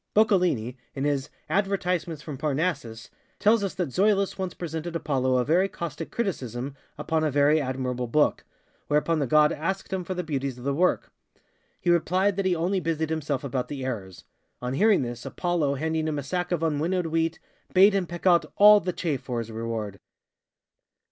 Boccalini, in his ŌĆ£Advertisements from Parnassus, ŌĆØ tells us that Zoilus once presented Apollo a very caustic criticism upon a very admirable book:ŌĆöwhereupon the god asked him for the beauties of the work. He replied that he only busied himself about the errors. On hearing this, Apollo, handing him a sack of unwinnowed wheat, bade him pick out _all the chaff _for his reward.